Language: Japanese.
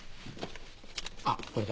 あっこれだ。